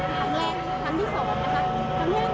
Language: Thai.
ตอนนี้เป็นครั้งหนึ่งครั้งหนึ่งครั้งหนึ่ง